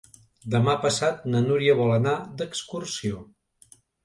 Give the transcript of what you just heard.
Demà passat na Núria vol anar d'excursió.